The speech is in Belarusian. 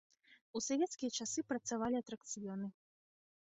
У савецкія часы працавалі атракцыёны.